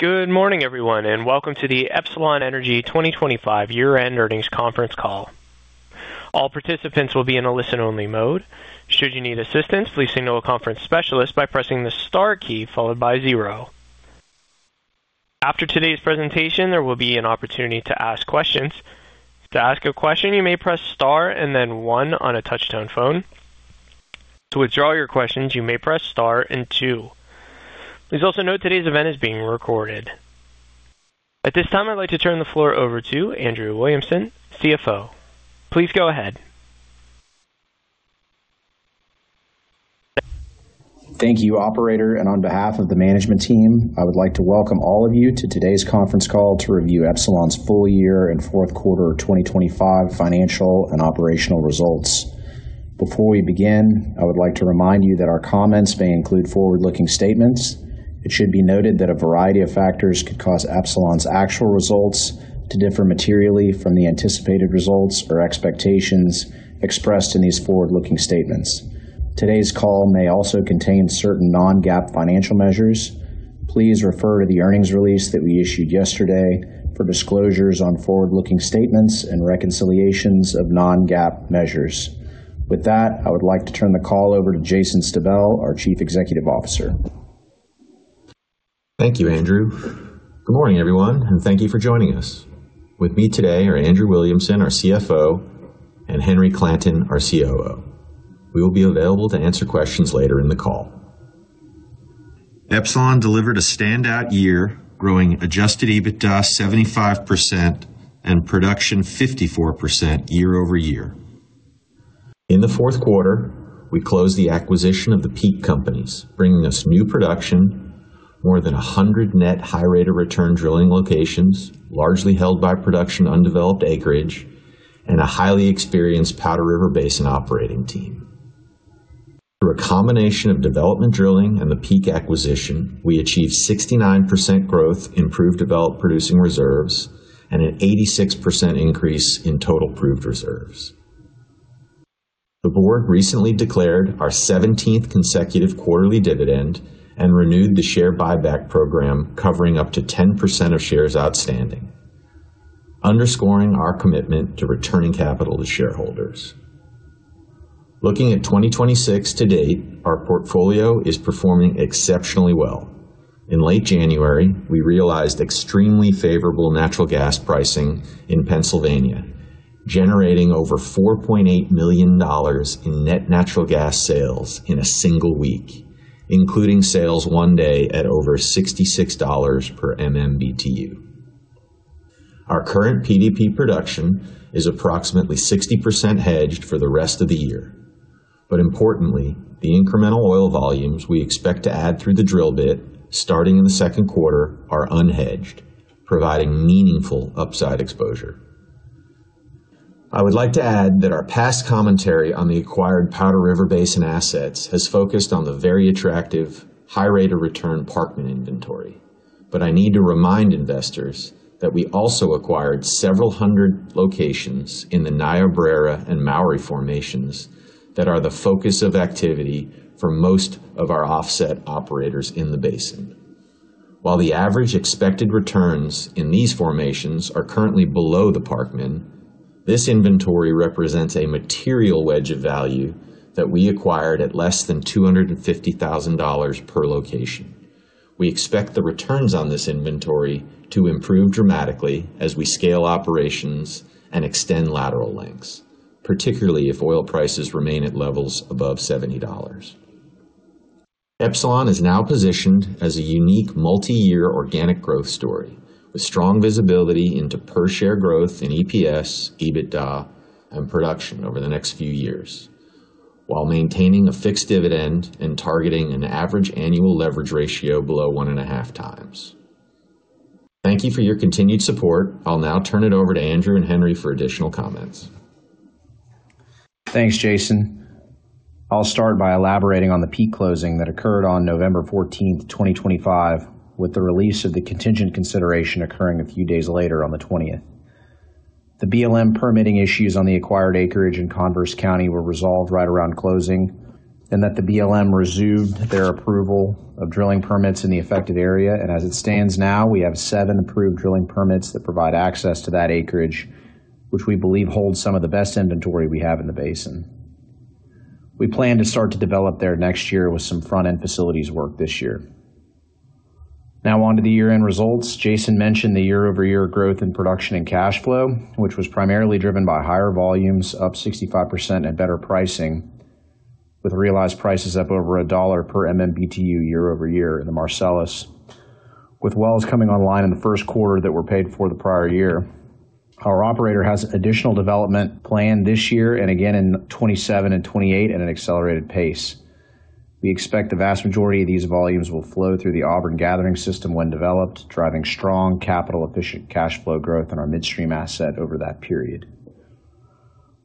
Good morning, everyone, and welcome to the Epsilon Energy 2025 year-end earnings conference call. All participants will be in a listen-only mode. Should you need assistance, please signal a conference specialist by pressing the star key followed by zero. After today's presentation, there will be an opportunity to ask questions. To ask a question, you may press star and then one on a touch-tone phone. To withdraw your questions, you may press star and two. Please also note today's event is being recorded. At this time, I'd like to turn the floor over to Andrew Williamson, CFO. Please go ahead. Thank you, operator. On behalf of the management team, I would like to welcome all of you to today's conference call to review Epsilon's full year and fourth quarter 2025 financial and operational results. Before we begin, I would like to remind you that our comments may include forward-looking statements. It should be noted that a variety of factors could cause Epsilon's actual results to differ materially from the anticipated results or expectations expressed in these forward-looking statements. Today's call may also contain certain non-GAAP financial measures. Please refer to the earnings release that we issued yesterday for disclosures on forward-looking statements and reconciliations of non-GAAP measures. With that, I would like to turn the call over to Jason Stabell, our Chief Executive Officer. Thank you, Andrew. Good morning, everyone, and thank you for joining us. With me today are Andrew Williamson, our CFO, and Henry Clanton, our COO. We will be available to answer questions later in the call. Epsilon delivered a standout year, growing Adjusted EBITDA 75% and production 54% year-over-year. In the fourth quarter, we closed the acquisition of the Peak Companies, bringing us new production, more than 100 net high rate of return drilling locations, largely held by production undeveloped acreage and a highly experienced Powder River Basin operating team. Through a combination of development drilling and the Peak acquisition, we achieved 69% growth in proved developed producing reserves and an 86% increase in total proved reserves. The board recently declared our 17th consecutive quarterly dividend and renewed the share buyback program, covering up to 10% of shares outstanding, underscoring our commitment to returning capital to shareholders. Looking at 2026 to date, our portfolio is performing exceptionally well. In late January, we realized extremely favorable natural gas pricing in Pennsylvania, generating over $4.8 million in net natural gas sales in a single week, including sales one day at over $66 per MMBtu. Our current PDP production is approximately 60% hedged for the rest of the year, but importantly, the incremental oil volumes we expect to add through the drill bit starting in the second quarter are unhedged, providing meaningful upside exposure. I would like to add that our past commentary on the acquired Powder River Basin assets has focused on the very attractive high rate of return Parkman inventory. I need to remind investors that we also acquired several hundred locations in the Niobrara and Mowry formations that are the focus of activity for most of our offset operators in the basin. While the average expected returns in these formations are currently below the Parkman, this inventory represents a material wedge of value that we acquired at less than $250,000 per location. We expect the returns on this inventory to improve dramatically as we scale operations and extend lateral lengths, particularly if oil prices remain at levels above $70. Epsilon is now positioned as a unique multi-year organic growth story with strong visibility into per share growth in EPS, EBITDA, and production over the next few years, while maintaining a fixed dividend and targeting an average annual leverage ratio below 1.5x. Thank you for your continued support. I'll now turn it over to Andrew and Henry for additional comments. Thanks, Jason. I'll start by elaborating on the Peak closing that occurred on November 14th, 2025, with the release of the contingent consideration occurring a few days later on the 20th. The BLM permitting issues on the acquired acreage in Converse County were resolved right around closing, and the BLM resumed their approval of drilling permits in the affected area. As it stands now, we have seven approved drilling permits that provide access to that acreage, which we believe holds some of the best inventory we have in the basin. We plan to start to develop there next year with some front-end facilities work this year. Now on to the year-end results. Jason mentioned the year-over-year growth in production and cash flow, which was primarily driven by higher volumes, up 65% at better pricing, with realized prices up over $1 per MMBtu year-over-year in the Marcellus, with wells coming online in the first quarter that were paid for the prior year. Our operator has additional development planned this year and again in 2027 and 2028 at an accelerated pace. We expect the vast majority of these volumes will flow through the Auburn gathering system when developed, driving strong capital efficient cash flow growth in our midstream asset over that period.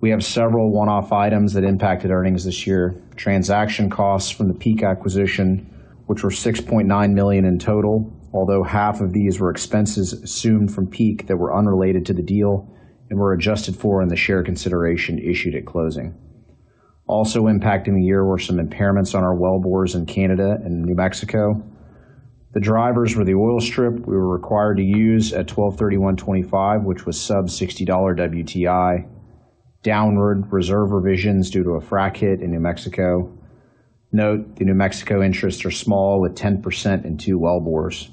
We have several one-off items that impacted earnings this year. Transaction costs from the Peak acquisition, which were $6.9 million in total. Although half of these were expenses assumed from Peak that were unrelated to the deal and were adjusted for in the share consideration issued at closing. Also impacting the year were some impairments on our wellbores in Canada and New Mexico. The drivers were the oil strip we were required to use at 12/31/2025, which was sub-$60 WTI, downward reserve revisions due to a frack hit in New Mexico. Note, the New Mexico interests are small, with 10% in two wellbores.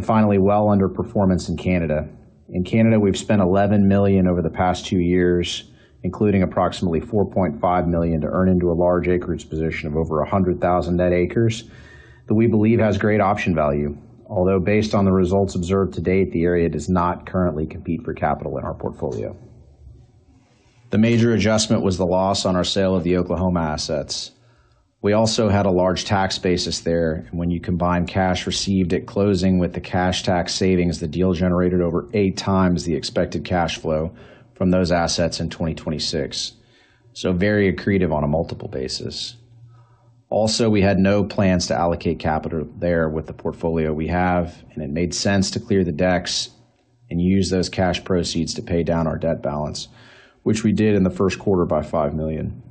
Finally, well under performance in Canada. In Canada, we've spent $11 million over the past two years, including approximately $4.5 million to earn into a large acreage position of over 100,000 net acres that we believe has great option value. Although based on the results observed to date, the area does not currently compete for capital in our portfolio. The major adjustment was the loss on our sale of the Oklahoma assets. We also had a large tax basis there. When you combine cash received at closing with the cash tax savings, the deal generated over 8x the expected cash flow from those assets in 2026. Very accretive on a multiple basis. Also, we had no plans to allocate capital there with the portfolio we have, and it made sense to clear the decks and use those cash proceeds to pay down our debt balance, which we did in the first quarter by $5 million.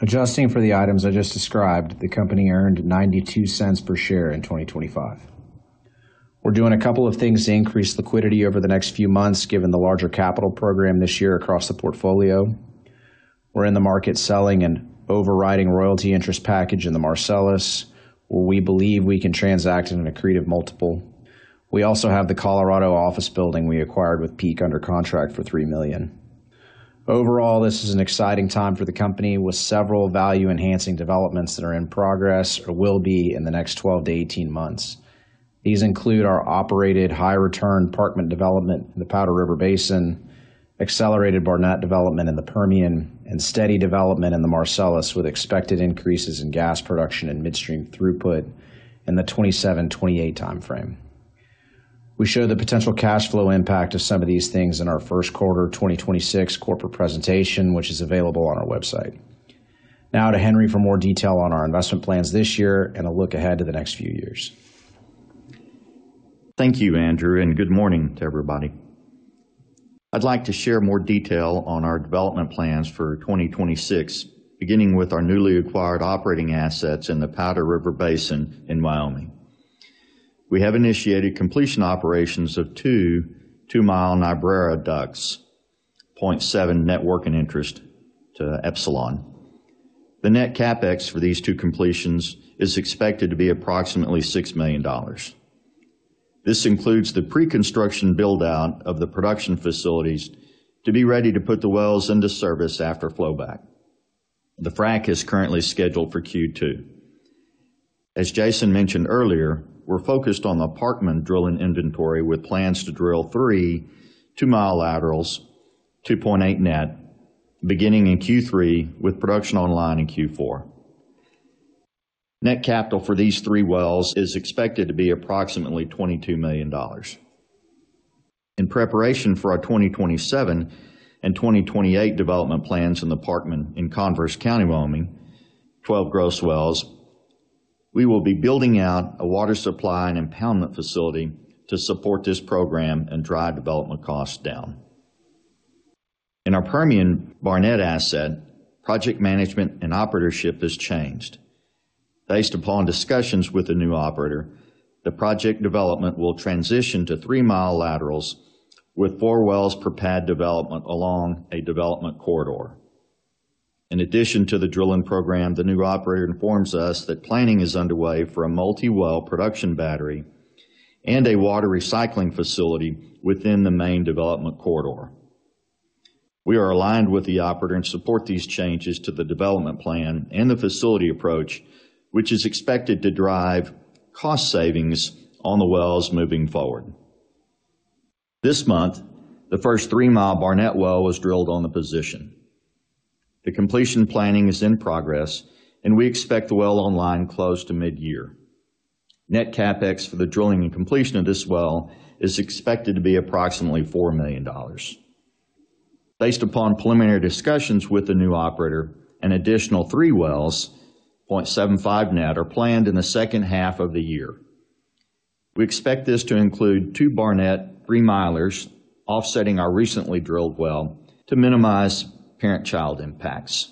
Adjusting for the items I just described, the company earned $0.92 per share in 2025. We're doing a couple of things to increase liquidity over the next few months, given the larger capital program this year across the portfolio. We're in the market selling an overriding royalty interest package in the Marcellus, where we believe we can transact in an accretive multiple. We also have the Colorado office building we acquired with Peak under contract for $3 million. Overall, this is an exciting time for the company with several value-enhancing developments that are in progress or will be in the next 12-18 months. These include our operated high return Parkman development in the Powder River Basin, accelerated Barnett development in the Permian, and steady development in the Marcellus, with expected increases in gas production and midstream throughput in the 2027-2028 timeframe. We show the potential cash flow impact of some of these things in our first quarter 2026 corporate presentation, which is available on our website. Now to Henry for more detail on our investment plans this year and a look ahead to the next few years. Thank you, Andrew, and good morning to everybody. I'd like to share more detail on our development plans for 2026, beginning with our newly acquired operating assets in the Powder River Basin in Wyoming. We have initiated completion operations of 2-mi Niobrara wells, 0.7 net working interest to Epsilon. The net CapEx for these two completions is expected to be approximately $6 million. This includes the pre-construction build-out of the production facilities to be ready to put the wells into service after flowback. The frack is currently scheduled for Q2. As Jason mentioned earlier, we're focused on the Parkman drilling inventory with plans to drill three 2-mi laterals, 2.8 net, beginning in Q3 with production online in Q4. Net CapEx for these three wells is expected to be approximately $22 million. In preparation for our 2027 and 2028 development plans in the Parkman in Converse County, Wyoming, 12 gross wells, we will be building out a water supply and impoundment facility to support this program and drive development costs down. In our Permian Barnett asset, project management and operatorship has changed. Based upon discussions with the new operator, the project development will transition to three-mile laterals with four wells per pad development along a development corridor. In addition to the drilling program, the new operator informs us that planning is underway for a multi-well production battery and a water recycling facility within the main development corridor. We are aligned with the operator and support these changes to the development plan and the facility approach, which is expected to drive cost savings on the wells moving forward. This month, the first 3-mi Barnett well was drilled on the position. The completion planning is in progress, and we expect the well online close to mid-year. Net CapEx for the drilling and completion of this well is expected to be approximately $4 million. Based upon preliminary discussions with the new operator, an additional three wells, 0.75 net, are planned in the second half of the year. We expect this to include two Barnett 3-milers offsetting our recently drilled well to minimize parent-child impacts.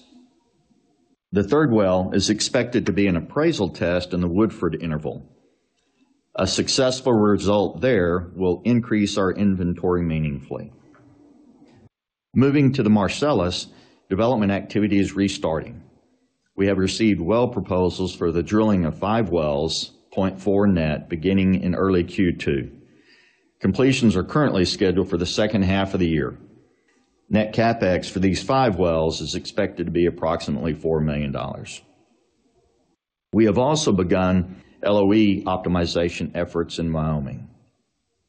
The third well is expected to be an appraisal test in the Woodford interval. A successful result there will increase our inventory meaningfully. Moving to the Marcellus, development activity is restarting. We have received well proposals for the drilling of five wells, 0.4 net, beginning in early Q2. Completions are currently scheduled for the second half of the year. Net CapEx for these five wells is expected to be approximately $4 million. We have also begun LOE optimization efforts in Wyoming.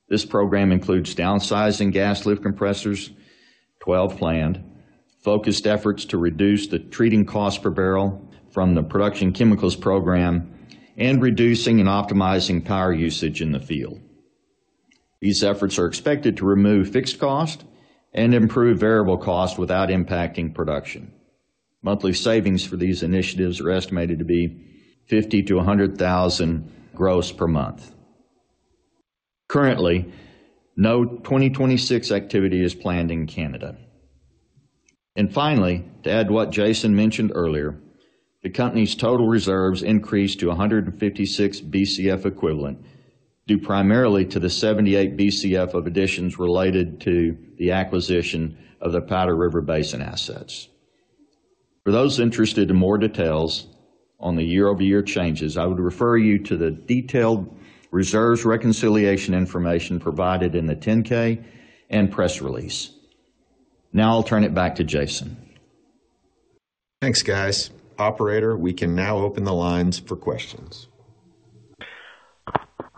This program includes downsizing gas lift compressors, 12 planned, focused efforts to reduce the treating cost per barrel from the production chemicals program, and reducing and optimizing power usage in the field. These efforts are expected to remove fixed cost and improve variable cost without impacting production. Monthly savings for these initiatives are estimated to be $50,000-$100,000 gross per month. Currently, no 2026 activity is planned in Canada. Finally, to add what Jason mentioned earlier, the company's total reserves increased to 156 Bcf equivalent, due primarily to the 78 Bcf of additions related to the acquisition of the Powder River Basin assets. For those interested in more details on the year-over-year changes, I would refer you to the detailed reserves reconciliation information provided in the 10-K and press release. Now I'll turn it back to Jason. Thanks, guys. Operator, we can now open the lines for questions.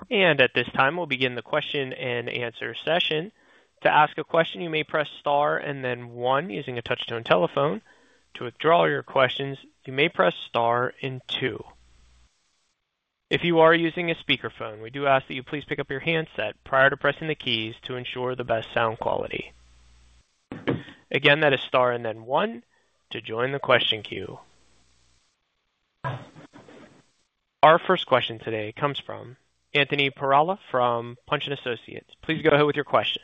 At this time, we'll begin the question-and-answer session. To ask a question, you may press star and then one using a touch-tone telephone. To withdraw your questions, you may press star and two. If you are using a speakerphone, we do ask that you please pick up your handset prior to pressing the keys to ensure the best sound quality. Again, that is star and then one to join the question queue. Our first question today comes from Anthony Perala from Punch & Associates. Please go ahead with your question.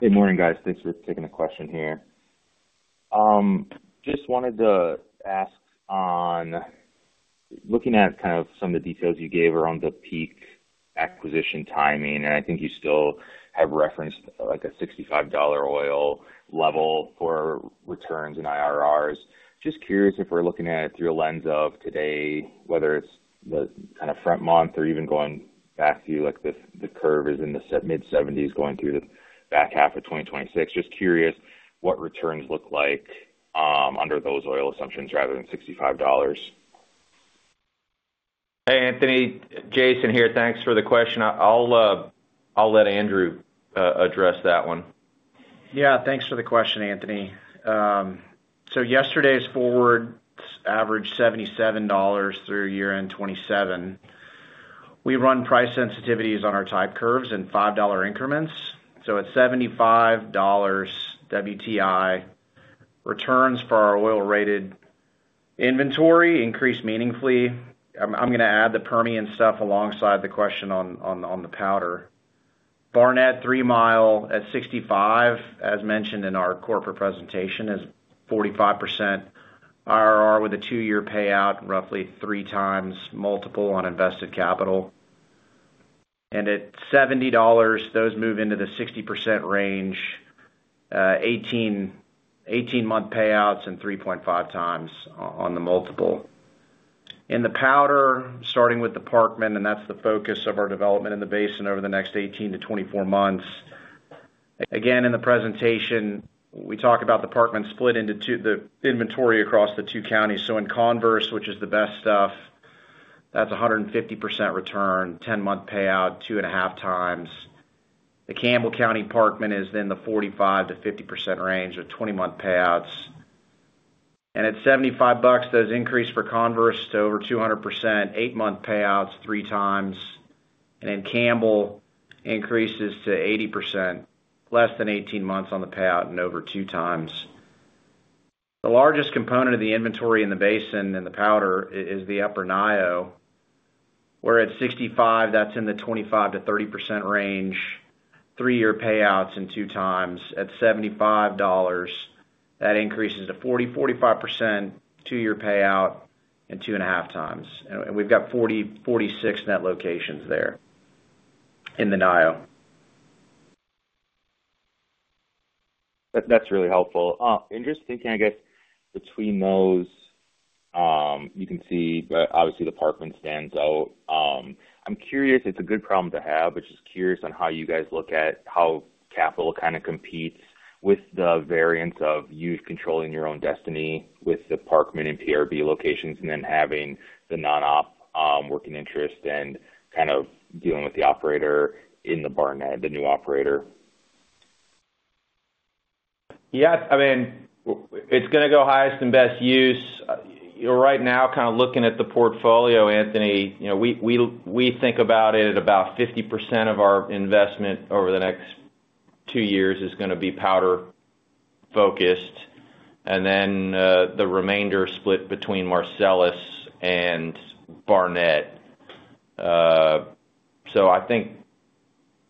Good morning, guys. Thanks for taking the question here. Just wanted to ask on looking at kind of some of the details you gave around the Peak acquisition timing, and I think you still have referenced, like, a $65 oil level for returns and IRRs. Just curious if we're looking at it through a lens of today, whether it's the kind of front month or even going back to, like, the curve is in the mid-$70s going through the back half of 2026. Just curious what returns look like under those oil assumptions rather than $65. Hey, Anthony. Jason here. Thanks for the question. I'll let Andrew address that one. Yeah. Thanks for the question, Anthony. Yesterday's forwards averaged $77 through year-end 2027. We run price sensitivities on our type curves in $5 increments. At $75 WTI, returns for our oil-rated inventory increased meaningfully. I'm gonna add the Permian stuff alongside the question on the Powder. Barnett Three Mile at $65, as mentioned in our corporate presentation, is 45% IRR with a 2-year payout, roughly 3x multiple on invested capital. At $70, those move into the 60% range, 18-month payouts and 3.5x on the multiple. In the Powder, starting with the Parkman, and that's the focus of our development in the basin over the next 18-24 months. Again, in the presentation, we talk about the Parkman split into two, the inventory across the two counties. In Converse, which is the best stuff, that's a 150% return, 10-month payout, 2.5x. The Campbell County Parkman is in the 45%-50% range with 20-month payouts. At $75, those increase for Converse to over 200%, 8-month payouts, 3x. Campbell increases to 80%, less than 18 months on the payout and over 2x. The largest component of the inventory in the basin in the Powder River is the Upper Niobrara, where at $65, that's in the 25%-30% range, 3-year payouts and 2x. At $75, that increases to 40%-45%, 2-year payout and 2.5x. We've got 40-46 net locations there in the Niobrara. That's really helpful. Just thinking, I guess, between those, you can see, obviously the Parkman stands out. I'm curious, it's a good problem to have, but just curious on how you guys look at how capital kinda competes with the variance of you controlling your own destiny with the Parkman and PRB locations and then having the non-op, working interest and kind of dealing with the operator in the Barnett, the new operator. Yes. I mean, it's gonna go highest and best use. You know, right now, kind of looking at the portfolio, Anthony, you know, we think about it, about 50% of our investment over the next two years is gonna be Powder focused, and then the remainder split between Marcellus and Barnett. So I think,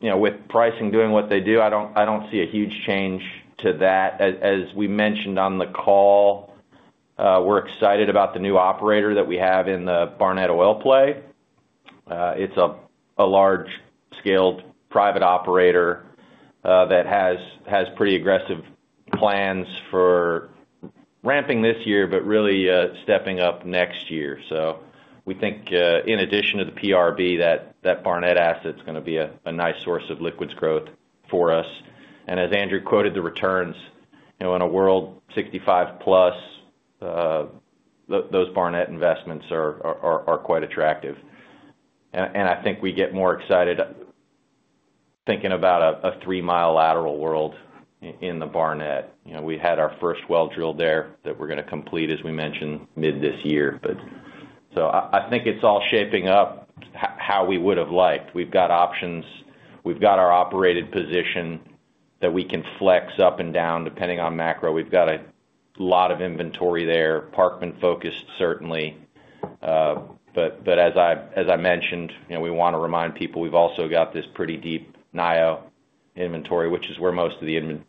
you know, with pricing doing what they do, I don't see a huge change to that. As we mentioned on the call, we're excited about the new operator that we have in the Barnett oil play. It's a large-scale private operator that has pretty aggressive plans for ramping this year, but really stepping up next year. So we think, in addition to the PRB, that Barnett asset's gonna be a nice source of liquids growth for us. As Andrew quoted the returns, you know, in a world 65+, those Barnett investments are quite attractive. I think we get more excited thinking about a Three Mile Lateral world in the Barnett. You know, we had our first well drilled there that we're gonna complete, as we mentioned, mid this year. I think it's all shaping up how we would've liked. We've got options. We've got our operated position that we can flex up and down depending on macro. We've got a lot of inventory there, Parkman-focused certainly. As I mentioned, you know, we wanna remind people we've also got this pretty deep Niobrara inventory, which is where most of the industry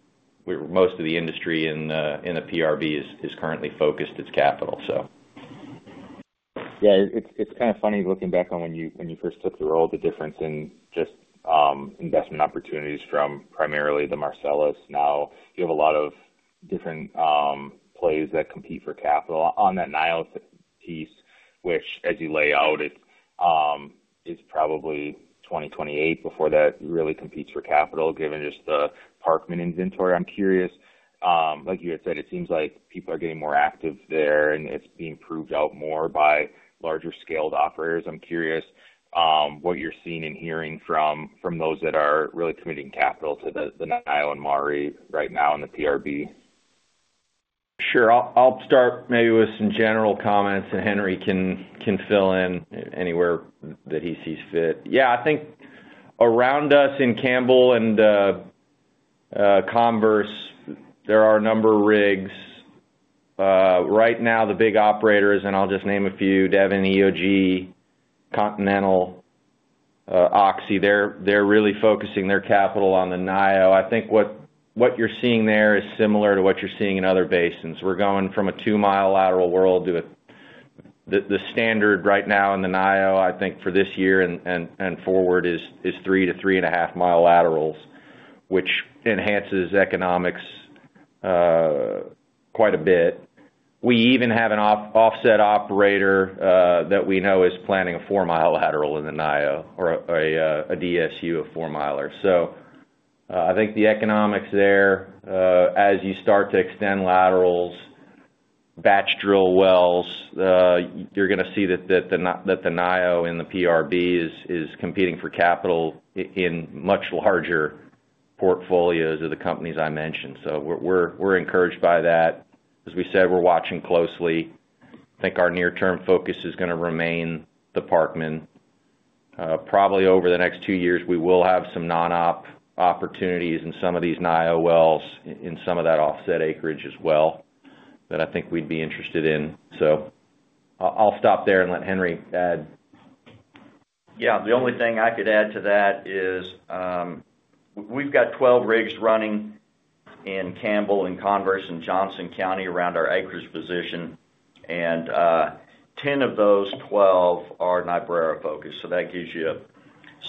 in the PRB is currently focused its capital. Yeah, it's kinda funny looking back on when you first took the role, the difference in just investment opportunities from primarily the Marcellus. Now you have a lot of different plays that compete for capital. On that Niobrara piece, which as you lay out, it is probably 2028 before that really competes for capital, given just the Parkman inventory. I'm curious, like you had said, it seems like people are getting more active there, and it's being proved out more by larger scaled operators. I'm curious, what you're seeing and hearing from those that are really committing capital to the Niobrara and Mowry right now in the PRB. Sure. I'll start maybe with some general comments, and Henry can fill in anywhere that he sees fit. Yeah, I think around us in Campbell and Converse, there are a number of rigs. Right now, the big operators, and I'll just name a few, Devon, EOG, Continental, Oxy, they're really focusing their capital on the Niobrara. I think what you're seeing there is similar to what you're seeing in other basins. We're going from a 2-mi lateral world. The standard right now in the Niobrara, I think for this year and forward is 3- 3.5-mi laterals, which enhances economics quite a bit. We even have an offset operator that we know is planning a 4-mi lateral in the Niobrara or a DSU of 4-miler. I think the economics there, as you start to extend laterals, batch drill wells, you're gonna see that the Niobrara and the PRB is competing for capital in much larger portfolios of the companies I mentioned. We're encouraged by that. As we said, we're watching closely. I think our near-term focus is gonna remain the Parkman. Probably over the next two years, we will have some non-op opportunities in some of these Niobrara wells in some of that offset acreage as well that I think we'd be interested in. I'll stop there and let Henry add. Yeah. The only thing I could add to that is, we've got 12 rigs running in Campbell and Converse and Johnson County around our acreage position, and 10 of those 12 are Niobrara focused. That gives you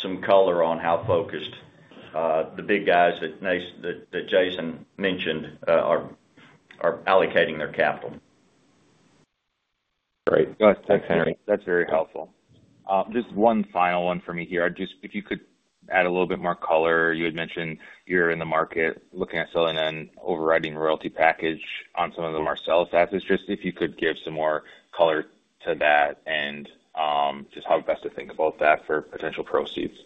some color on how focused the big guys that Jason mentioned are allocating their capital. Great. Go ahead. Thanks, Henry. That's very helpful. Just one final one for me here. Just if you could add a little bit more color. You had mentioned you're in the market looking at selling an overriding royalty package on some of the Marcellus assets. Just if you could give some more color to that and just how best to think about that for potential proceeds.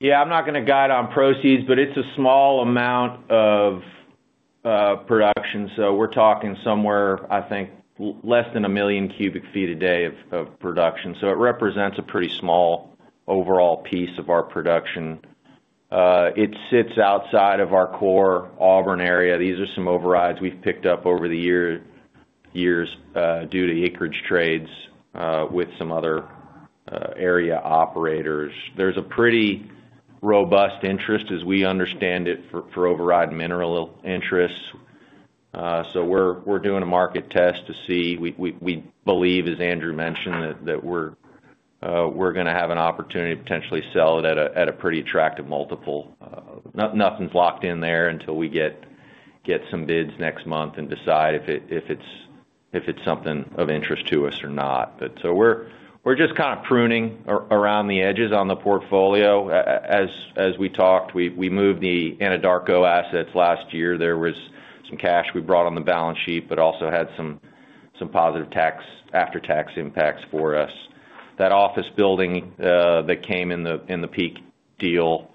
Yeah, I'm not gonna guide on proceeds, but it's a small amount of production. We're talking somewhere, I think, less than 1 million cu ft a day of production. It represents a pretty small overall piece of our production. It sits outside of our core Auburn area. These are some overrides we've picked up over the years due to acreage trades with some other area operators. There's a pretty robust interest as we understand it for override mineral interests. We're doing a market test to see. We believe, as Andrew mentioned, that we're gonna have an opportunity to potentially sell it at a pretty attractive multiple. Nothing's locked in there until we get some bids next month and decide if it's something of interest to us or not. We're just kind of pruning around the edges on the portfolio. As we talked, we moved the Anadarko assets last year. There was some cash we brought on the balance sheet, but also had some positive after-tax impacts for us. That office building that came in the Peak deal,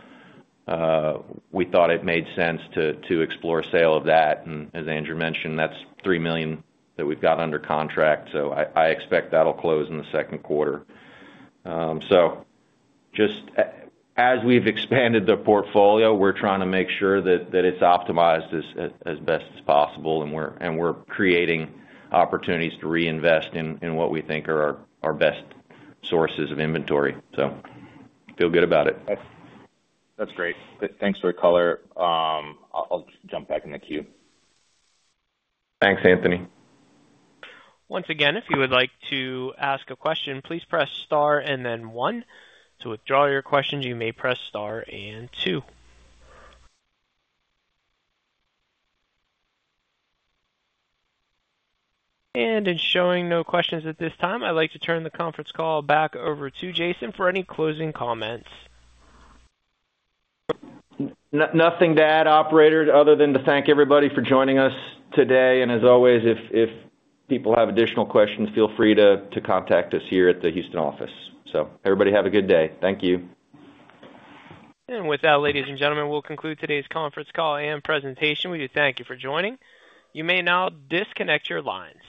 we thought it made sense to explore a sale of that. As Andrew mentioned, that's $3 million that we've got under contract. I expect that'll close in the second quarter. Just as we've expanded the portfolio, we're trying to make sure that it's optimized as best as possible, and we're creating opportunities to reinvest in what we think are our best sources of inventory. Feel good about it. That's great. Thanks for the color. I'll just jump back in the queue. Thanks, Anthony. Once again, if you would like to ask a question, please press star and then one. To withdraw your questions, you may press star and two. It's showing no questions at this time. I'd like to turn the conference call back over to Jason for any closing comments. Nothing to add, operator, other than to thank everybody for joining us today. As always, if people have additional questions, feel free to contact us here at the Houston office. Everybody have a good day. Thank you. With that, ladies and gentlemen, we'll conclude today's conference call and presentation. We do thank you for joining. You may now disconnect your lines.